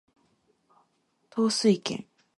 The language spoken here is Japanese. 統帥権